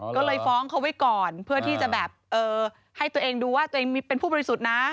ก็เลยฟ้องเขาไว้ก่อนเพื่อที่จะแบบให้ตัวเองดูว่าตัวเองเป็นผู้บริสุทธิ์นะ